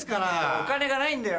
お金がないんだよ